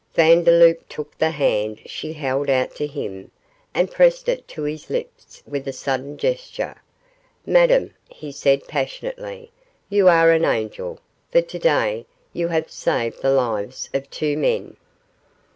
Vandeloup took the hand she held out to him and pressed it to his lips with a sudden gesture. 'Madame,' he said, passionately, 'you are an angel, for to day you have saved the lives of two men.